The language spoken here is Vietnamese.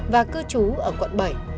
và cư trú ở quận bảy